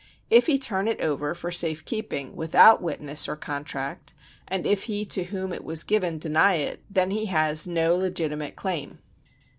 If he turn it over for safe keeping without witness or contract, and if he to whom it was given deny it, then he has no legitimate claim.